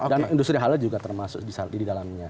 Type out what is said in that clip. dan industri halal juga termasuk di dalamnya